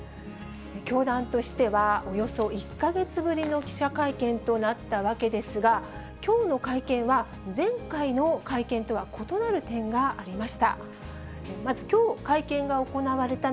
教団としては、およそ１か月ぶりの記者会見となったわけですが、きょうの会見は前回の会見とは異なる点がありました。